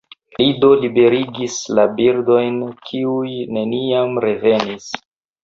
Li do liberigis la birdojn, kiuj neniam revenis.